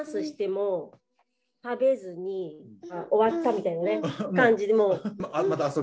しても食べずに終わったみたいな感じで。